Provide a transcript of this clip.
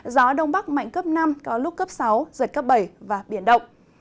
gió đông bắc mạnh cấp năm có lúc cấp sáu giật cấp bảy và biển động